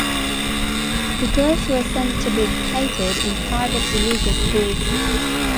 The girls were sent to be educated in private religious schools.